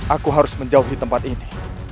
aku harus menjauhi tempat ini